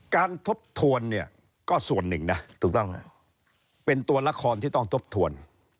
ทบทวนเนี่ยก็ส่วนหนึ่งนะถูกต้องเป็นตัวละครที่ต้องทบทวน